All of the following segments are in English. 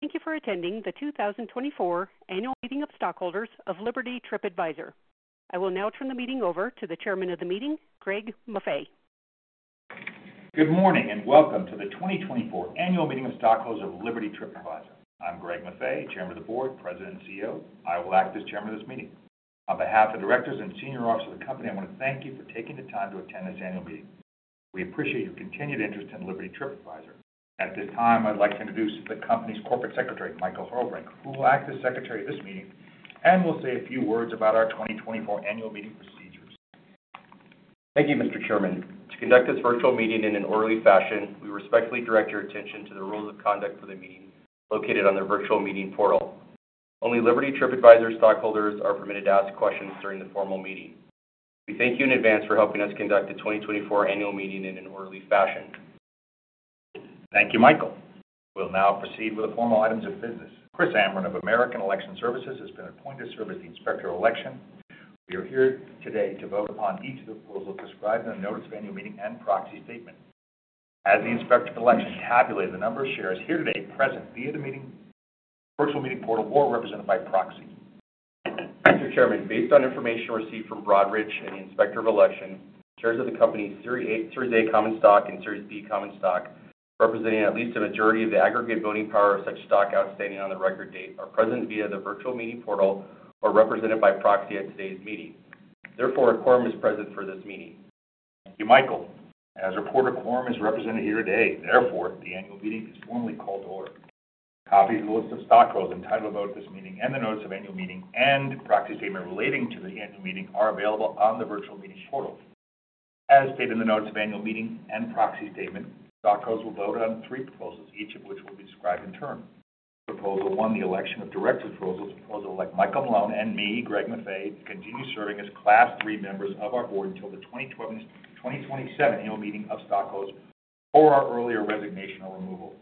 ...Thank you for attending the 2024 Annual Meeting of Stockholders of Liberty TripAdvisor. I will now turn the meeting over to the chairman of the meeting, Greg Maffei. Good morning, and welcome to the 2024 Annual Meeting of Stockholders of Liberty TripAdvisor. I'm Greg Maffei, Chairman of the Board, President, and CEO. I will act as chairman of this meeting. On behalf of the directors and senior officers of the company, I want to thank you for taking the time to attend this annual meeting. We appreciate your continued interest in Liberty TripAdvisor. At this time, I'd like to introduce the company's corporate secretary, Michael Hurelbrink, who will act as secretary of this meeting and will say a few words about our 2024 annual meeting procedures. Thank you, Mr. Chairman. To conduct this virtual meeting in an orderly fashion, we respectfully direct your attention to the rules of conduct for the meeting located on the virtual meeting portal. Only Liberty TripAdvisor stockholders are permitted to ask questions during the formal meeting. We thank you in advance for helping us conduct the 2024 Annual Meeting in an orderly fashion. Thank you, Michael. We'll now proceed with the formal items of business. Chris Amron of American Election Services has been appointed to serve as the Inspector of Election. We are here today to vote upon each of the proposals described in the Notice of Annual Meeting and Proxy Statement. As the Inspector of Election, tabulate the number of shares here today, present via the meeting, virtual meeting portal, or represented by proxy. Mr. Chairman, based on information received from Broadridge and the Inspector of Election, shares of the Company's Series A common stock and Series B common stock, representing at least a majority of the aggregate voting power of such stock outstanding on the record date, are present via the virtual meeting portal or represented by proxy at today's meeting. Therefore, a quorum is present for this meeting. Thank you, Michael. As reported, a quorum is represented here today, therefore, the annual meeting is formally called to order. Copies of the list of stockholders entitled to vote in this meeting and the notice of annual meeting and proxy statement relating to the annual meeting are available on the virtual meetings portal. As stated in the notice of annual meeting and proxy statement, stockholders will vote on 3 proposals, each of which will be described in turn. Proposal 1, the election of directors proposal, is a proposal to elect Michael Malone and me, Greg Maffei, to continue serving as Class III members of our board until the 2027 Annual Meeting of Stockholders or our earlier resignation or removal.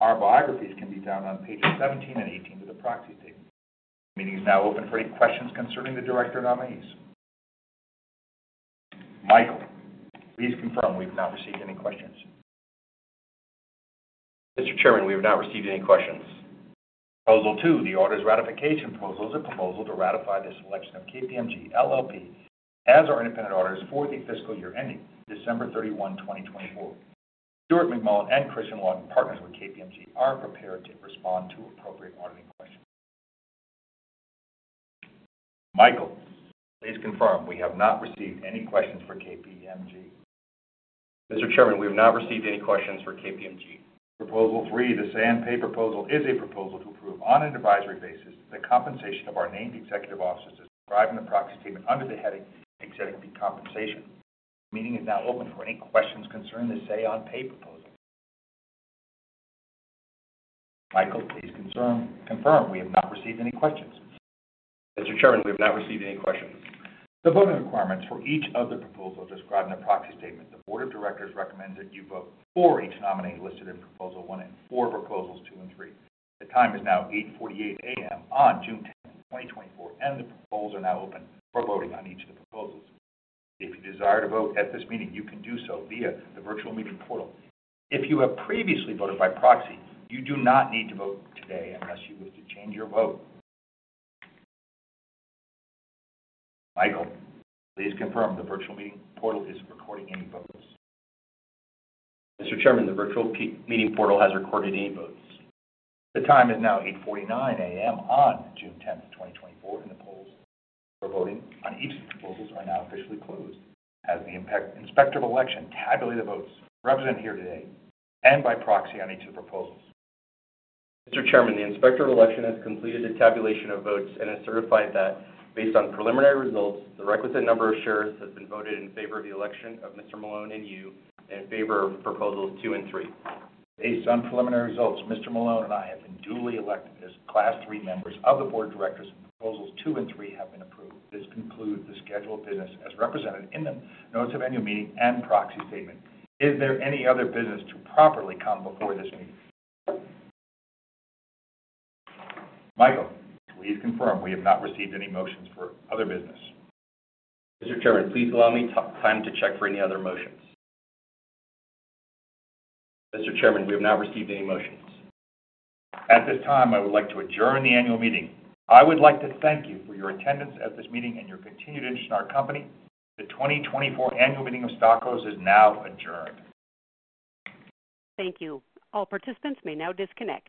Our biographies can be found on pages 17 and 18 of the proxy statement. The meeting is now open for any questions concerning the director nominees. Michael, please confirm we've not received any questions. Mr. Chairman, we have not received any questions. Proposal 2, the auditors ratification proposal, is a proposal to ratify the selection of KPMG LLP as our independent auditors for the fiscal year ending December 31, 2024. Stewart McMullan and Kristen Long, partners with KPMG, are prepared to respond to appropriate auditing questions. Michael, please confirm we have not received any questions for KPMG. Mr. Chairman, we have not received any questions for KPMG. Proposal three, the Say-on-Pay proposal, is a proposal to approve on an advisory basis, the compensation of our named executive officers, as described in the Proxy Statement under the heading Executive Compensation. The meeting is now open for any questions concerning the Say-on-Pay proposal. Michael, please confirm, confirm we have not received any questions. Mr. Chairman, we have not received any questions. The voting requirements for each of the proposals described in the proxy statement. The board of directors recommends that you vote for each nominee listed in Proposal 1 and for Proposals 2 and 3. The time is now 8:48 A.M. on June 10, 2024, and the polls are now open for voting on each of the proposals. If you desire to vote at this meeting, you can do so via the virtual meeting portal. If you have previously voted by proxy, you do not need to vote today unless you wish to change your vote. Michael, please confirm the virtual meeting portal is recording any votes. Mr. Chairman, the virtual meeting portal has recorded any votes. The time is now 8:49 A.M. on June 10, 2024, and the polls for voting on each of the proposals are now officially closed. As the Inspector of Election, tabulate the votes represented here today and by proxy on each of the proposals. Mr. Chairman, the Inspector of Election has completed the tabulation of votes and has certified that based on preliminary results, the requisite number of shares has been voted in favor of the election of Mr. Malone and you, and in favor of Proposals 2 and 3. Based on preliminary results, Mr. Malone and I have been duly elected as Class three members of the board of directors, and Proposals 2 and 3 have been approved. This concludes the scheduled business as represented in the notice of annual meeting and Proxy Statement. Is there any other business to properly come before this meeting? Michael, please confirm we have not received any motions for other business. Mr. Chairman, please allow me time to check for any other motions. Mr. Chairman, we have not received any motions. At this time, I would like to adjourn the annual meeting. I would like to thank you for your attendance at this meeting and your continued interest in our company. The 2024 Annual Meeting of Stockholders is now adjourned. Thank you. All participants may now disconnect.